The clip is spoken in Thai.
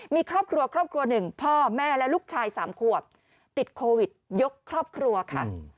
มีครอบครัวครอบครัวหนึ่งพ่อแม่และลูกชาย๓ขวบติดโควิดยกครอบครัวค่ะ